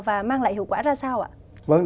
và mang lại hiệu quả ra sao ạ